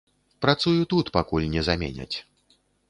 Працую тут, пакуль не заменяць.